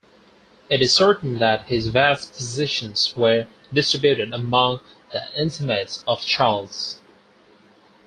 It is certain that his vast possessions were distributed among the intimates of Charles.